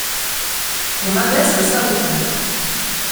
On m’abaisse à sa hauteur.